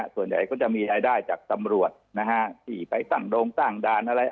ส่วนใหญ่ก็จะมีรายได้จากตำรวจที่ไปตั้งโรงตั้งด่านอะไร